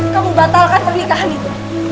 kamu batalkan pernikahan itu